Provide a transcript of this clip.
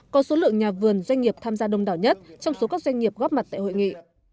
có số lượng nhà vườn doanh nghiệp tham gia đông đảo nhất trong số các doanh nghiệp góp mặt tại hội nghị